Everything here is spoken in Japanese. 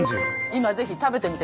今ぜひ食べてみて。